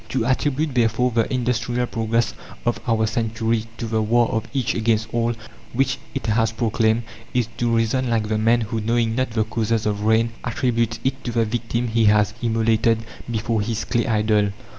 To attribute, therefore, the industrial progress of our century to the war of each against all which it has proclaimed, is to reason like the man who, knowing not the causes of rain, attributes it to the victim he has immolated before his clay idol.